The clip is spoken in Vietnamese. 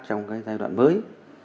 trong cái giai đoạn mới